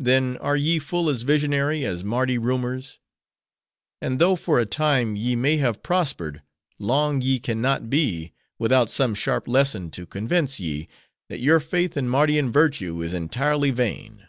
Then, are ye full as visionary, as Mardi rumors. And though for a time, ye may have prospered,—long, ye can not be, without some sharp lesson to convince ye, that your faith in Mardian virtue is entirely vain."